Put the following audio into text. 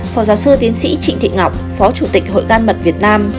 phó giáo sư tiến sĩ trịnh thị ngọc phó chủ tịch hội gan mật việt nam